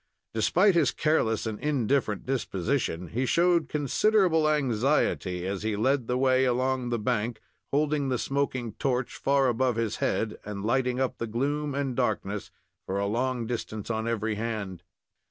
Despite his careless and indifferent disposition, he showed considerable anxiety, as he led the way along the bank, holding the smoking torch far above his head, and lighting up the gloom and darkness for a long distance on every hand.